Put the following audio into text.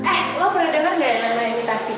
eh lo pernah denger gak ada nama nama imitasi